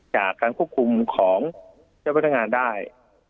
จากการควบคุมของเจ้าพนักงานได้